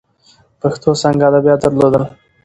پښتو څانګه ادبیات درلودل.